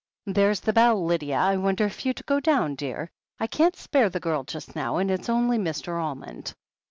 "There's the bell, Lydia! I wonder if you'd go down, dear? I can't spare the girl just now, and it's only Mr. Almond."